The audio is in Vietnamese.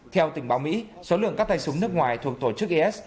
theo tình báo mỹ số lượng các tay súng nước ngoài thuộc tổ chức is